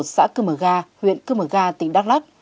xã cơ mở ga huyện cơ mở ga tỉnh đắk lắc